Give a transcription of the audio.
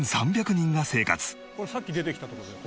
「これさっき出てきたとこだよ